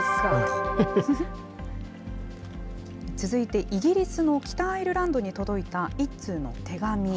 続いてイギリスの北アイルランドに届いた１通の手紙。